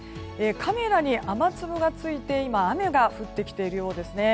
カメラに雨粒がついて雨が降ってきているようですね。